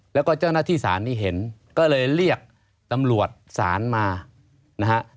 แล้วก็เจ้าหน้าที่ศาลนี่เห็นก็เลยเรียกตำรวจศาลมานะฮะ